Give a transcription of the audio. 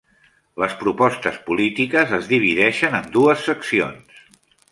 Les propostes polítiques es divideixen en dues seccions.